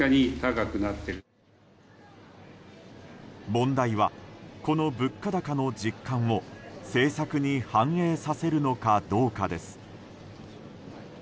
問題は、この物価高の実感を政策に反映させるのかどうかです。